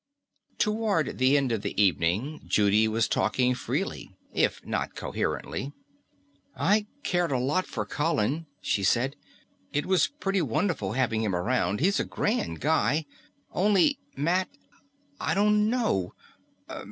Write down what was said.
Toward the end of the evening, Judy was talking freely, if not quite coherently. "I cared a lot for Colin," she said. "It was pretty wonderful having him around. He's a grand guy. Only Matt I don't know.